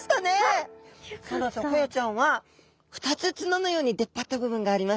ホヤちゃんは２つ角のように出っ張った部分があります。